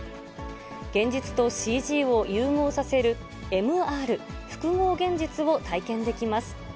現実とＣＧを融合させるＭＲ・複合現実を体験できます。